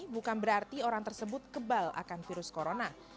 bukan berarti orang tersebut kebal akan virus corona